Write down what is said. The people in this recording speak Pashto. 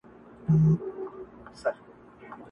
تل به گرځېدی په مار پسي پر پولو؛